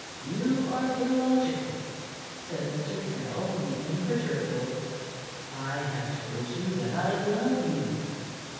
"You are illogical," said Mr. Caryll, the imperturbable. "I have told you that I love you.